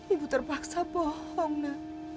ibu terpaksa bohong bu